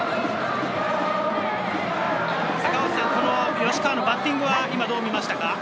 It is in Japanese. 吉川のバッティングはどう見ましたか？